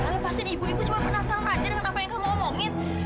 lepasin ibu ibu cuma penasaran aja dengan apa yang kamu ngomongin